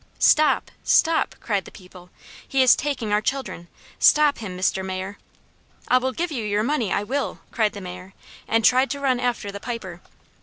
"Stop, stop!" cried the people. "He is taking our children! Stop him, Mr Mayor!" "I will give you your money, I will!" cried the Mayor, and tried to run after the Piper.